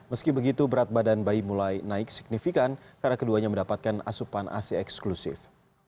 meski begitu berat badan bayi mulai naik signifikan karena keduanya mendapatkan asupan ac eksklusif